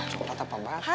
coba tepap banget